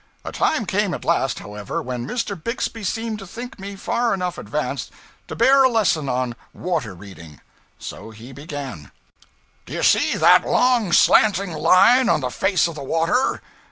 A time came at last, however, when Mr. Bixby seemed to think me far enough advanced to bear a lesson on water reading. So he began 'Do you see that long slanting line on the face of the water?